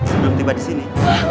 sebelum tiba disini